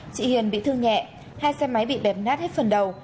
chị hiền bị thương nhẹ hai xe máy bị bẹp nát hết phần đầu